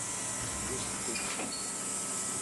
De cités.